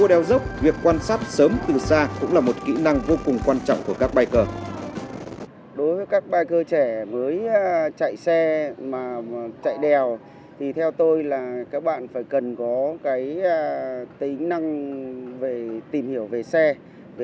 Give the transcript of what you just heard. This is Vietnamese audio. trên đường về thành phố sơn la tỉnh sơn la một biker đã va phải một con gia súc